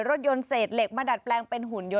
รถยนต์เศษเหล็กมาดัดแปลงเป็นหุ่นยนต